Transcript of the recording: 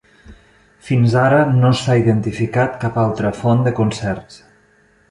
Fins ara no s'ha identificat cap altra font de concerts.